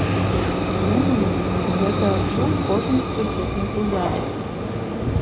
Думаю, гэта адчуў кожны з прысутных у зале.